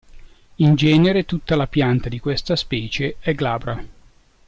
In genere tutta la pianta di questa specie è glabra.